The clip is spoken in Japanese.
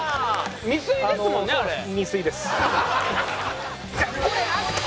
未遂ですもんね？